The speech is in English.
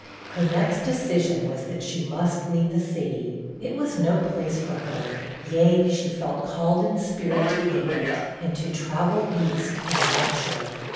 Her next decision was, that she must leave the city; it was no place for her; yea, she felt called in spirit to leave it, and to travel east and lecture.